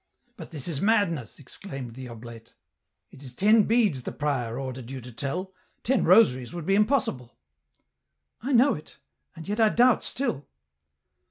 " But this is madness," exclaimed the oblate ;" it is ten beads the prior ordered you to tell ; ten rosaries would be impossible." " I know it ... and yet I doubt still."